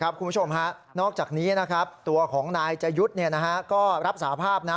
คุณผู้ชมนอกจากนี้ตัวของนายจัยุดก็รับสาภาพ